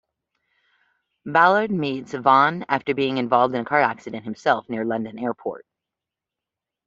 Ballard meets Vaughan after being involved in a car accident himself near London Airport.